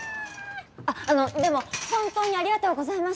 あっあのでも本当にありがとうございました。